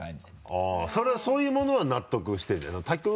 あっそれはそういうものは納得してるんじゃない？